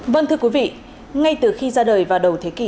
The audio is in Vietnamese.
vâng thưa quý vị ngay từ khi ra đời vào đầu thế kỷ hai mươi